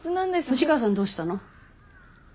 藤川さんどうしたの？